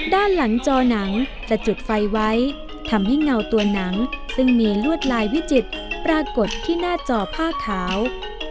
ด้านหลังจอหนังจะจุดไฟไว้ทำให้เงาตัวหนังซึ่งมีลวดลายวิจิตรปรากฏที่หน้าจอผ้าขาว